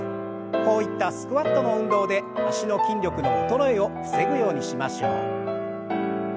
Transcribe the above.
こういったスクワットの運動で脚の筋力の衰えを防ぐようにしましょう。